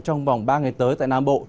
trong vòng ba ngày tới tại nam bộ